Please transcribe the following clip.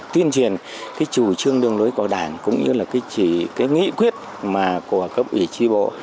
tuyên truyền chủ trương đường lối của đảng cũng như là chỉ nghĩ quyết của cấp ủy tri bộ